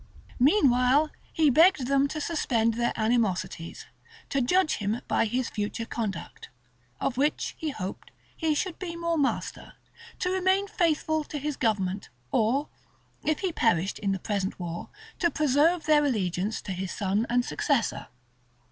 Meanwhile, he begged them to suspend their animosities; to judge of him by his future conduct, of which, he hoped, he should be more master; to remain faithful to his government, or, if he perished in the present war, to preserve their allegiance to his son and successor.